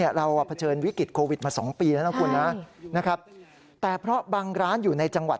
เออเราเผชิญวิกฤตโควิดมา๒ปีนะนักคุณนะแต่เพราะบางร้านอยู่ในจังหวัด